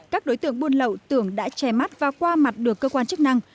các đối tượng buôn lậu tưởng đã che mắt và qua mặt được cơ quan chức năng